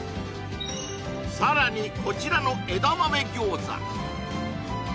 さらにこちらの枝豆餃子